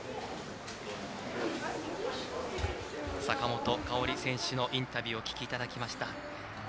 坂本花織選手のインタビューをお聞きいただきました。